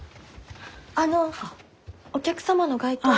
あのお客様の外套を。